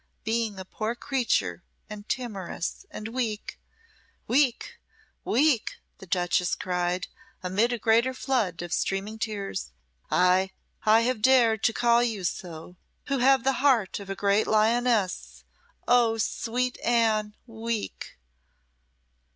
Being a poor creature and timorous and weak " "Weak! weak!" the duchess cried, amid a greater flood of streaming tears "ay, I have dared to call you so, who have the heart of a great lioness. Oh, sweet Anne weak!"